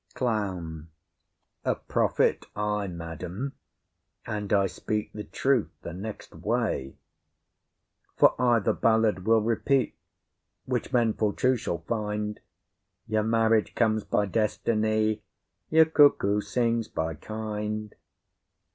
CLOWN. A prophet I, madam; and I speak the truth the next way: _For I the ballad will repeat, Which men full true shall find; Your marriage comes by destiny, Your cuckoo sings by kind.